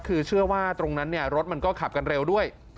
คือเชื่อว่าตรงนั้นเนี่ยรถมันก็ขับกันเร็วด้วย